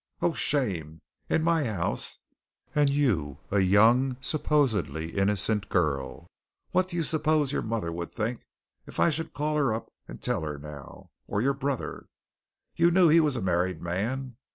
"Oh, shame, in my house, and you a young, supposedly innocent girl! What do you suppose your mother would think if I should call her up and tell her now? Or your brother? You knew he was a married man.